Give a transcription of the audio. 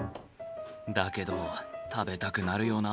だけど食べたくなるよな。